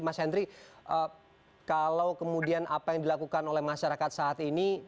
mas henry kalau kemudian apa yang dilakukan oleh masyarakat saat ini